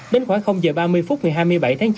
đến khoảng h ba mươi phút ngày hai mươi bảy tháng chín